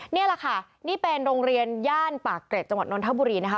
นี่เป็นโรงเรียนย่านป่าเกรดจังหวัดน้อนทะบุรีนะคะ